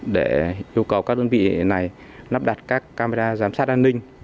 để yêu cầu các đơn vị này lắp đặt các camera giám sát an ninh